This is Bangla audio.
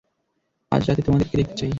আজ রাতে তোমাদেরকে দেখতে চাই।